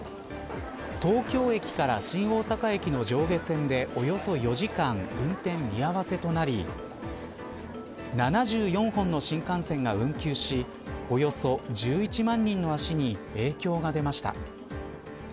東京駅から新大阪駅の上下線でおよそ４時間運転見合わせとなり７４本の新幹線が運休しおよそ１１万人の足に影響が出ました。